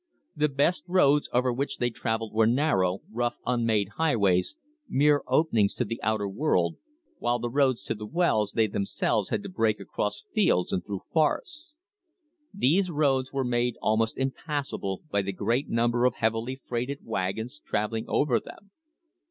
The best roads over which they travelled were narrow, rough, unmade highways, mere openings to the outer world, while the roads to the wells they themselves had to break across fields and through forests. These roads were made almost impassable by the great number of heavily freighted wagons travelling over them.